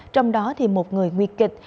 trong đó thì một người nguyệt kịch